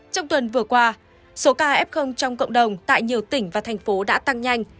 trong tuần vừa qua số ca f trong cộng đồng tại nhiều tỉnh và thành phố đã tăng nhanh